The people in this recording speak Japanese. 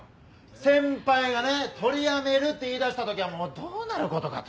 先輩がね取りやめるって言いだしたときはどうなることかと。